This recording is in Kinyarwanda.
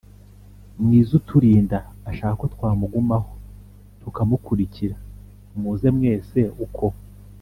Mwiz' uturinda, Ashaka ko twamugumaho, Tukamuku rikira. Muze mwese uko